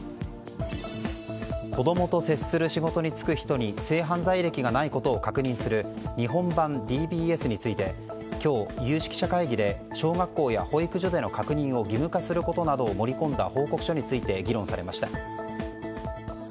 子供と接する仕事に就く人に性犯罪歴がないことを確認する日本版ＤＢＳについて今日、有識者会議で小学校や保育所での確認を義務化することなどを盛り込んだ報告書について議論されました。